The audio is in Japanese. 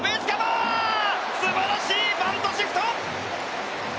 すばらしいバントシフト！！